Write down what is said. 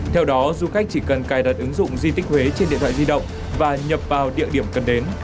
theo đó du khách chỉ cần cài đặt ứng dụng di tích huế trên điện thoại di động và nhập vào địa điểm cần đến